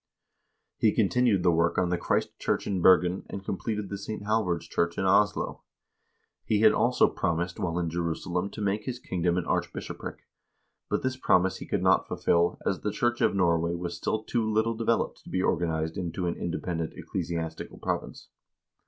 He continued the work on the Christ church in Bergen, and completed the St. Halvard's church in Oslo. He had also promised, while in Jerusalem, to make his kingdom an archbishopric, but this promise he could not fulfill, as the Church of Norway was still too little developed to be organized into an independent ecclesiastical province.